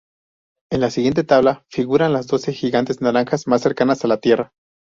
En la siguiente tabla figuran las doce gigantes naranjas más cercanas a la Tierra.